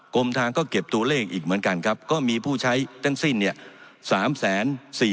กรมทางก็เก็บตัวเลขอีกเหมือนกันครับก็มีผู้ใช้ทั้งสิ้นเนี่ย